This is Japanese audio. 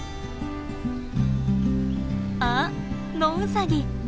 あっノウサギ！